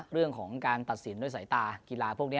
เรื่องของการตัดสินด้วยสายตากีฬาพวกนี้